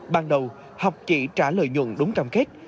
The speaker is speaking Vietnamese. ban đầu học chỉ trả lợi nhuận đúng cam kết